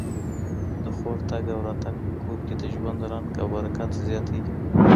د خور تګ او راتګ په کور کي د ژوند رنګ او برکت زیاتوي.